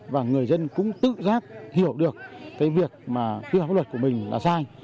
và người dân cũng tự giác hiểu được cái việc mà pháp luật của mình là sai